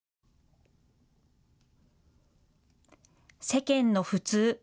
世間の普通。